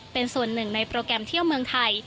เป็นส่วนหนึ่งในโปรแกรมเที่ยวเมืองไทย